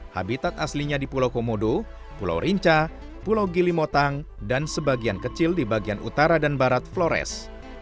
habitat aslinya di pulau komodo pulau rinca pulau gilimotang dan sebagian kecil di bagian utara dan barat flores